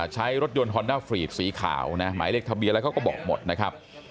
ใช้รถยนต์ฮอนด้าฟรีดสีขาวนะหมายเลขทะเบียนอะไรเขาก็บอกหมดนะครับ